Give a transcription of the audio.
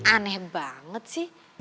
aneh banget sih